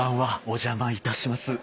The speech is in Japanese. お邪魔いたします。